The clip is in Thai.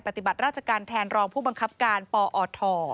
ปฏิบัติราชการแทนรองผู้บังคับการปอท